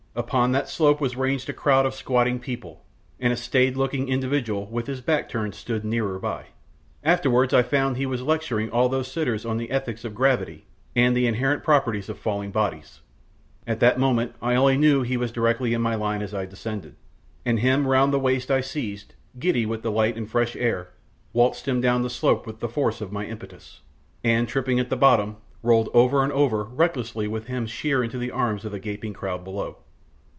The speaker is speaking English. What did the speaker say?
Upon that slope was ranged a crowd of squatting people, and a staid looking individual with his back turned stood nearer by. Afterwards I found he was lecturing all those sitters on the ethics of gravity and the inherent properties of falling bodies; at the moment I only knew he was directly in my line as I descended, and him round the waist I seized, giddy with the light and fresh air, waltzed him down the slope with the force of my impetus, and, tripping at the bottom, rolled over and over recklessly with him sheer into the arms of the gaping crowd below.